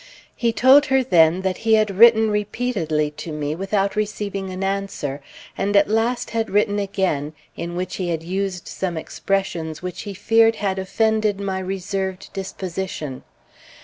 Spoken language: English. He told her then that he had written repeatedly to me, without receiving an answer, and at last had written again, in which he had used some expressions which he feared had offended my reserved disposition.